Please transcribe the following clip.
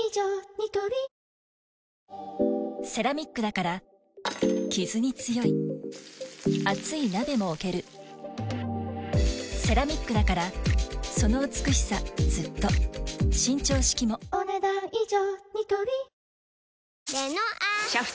ニトリセラミックだからキズに強い熱い鍋も置けるセラミックだからその美しさずっと伸長式もお、ねだん以上。